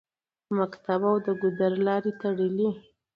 د مکتب او د ګودر لارې تړلې